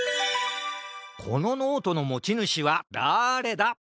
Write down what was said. このノートのもちぬしはだれだ？